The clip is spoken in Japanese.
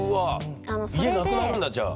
家なくなるんだじゃあ。